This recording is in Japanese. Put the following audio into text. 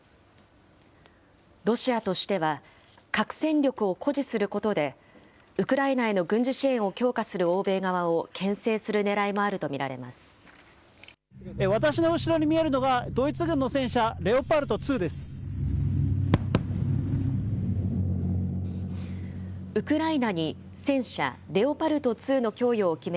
ロシアとしては、核戦力を誇示することで、ウクライナへの軍事支援を強化する欧米側をけん制するねらいもあ私の後ろに見えるのが、ドイツ軍の戦車、レオパルト２です。